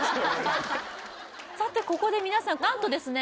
さてここで皆さん何とですね